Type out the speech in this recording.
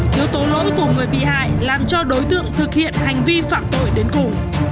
thiếu tố lỗi của người bị hại làm cho đối tượng thực hiện hành vi phạm tội đến cùng